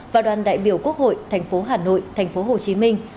và đoàn đại biểu quốc hội tp hà nội tp hồ chí minh